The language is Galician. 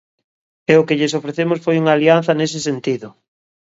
E o que lles ofrecemos foi unha alianza nese sentido.